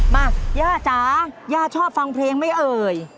มาย่าจ๋าย่าชอบฟังเพลงไหมเอ่ย